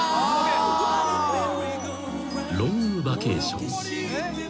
［『ロングバケーション』］